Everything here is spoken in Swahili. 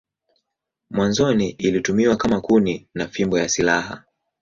Mwanzoni ilitumiwa kama kuni na fimbo ya silaha.